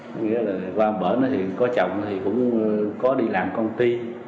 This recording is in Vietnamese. có nghĩa là qua bở thì có chồng thì cũng có đi làm công ty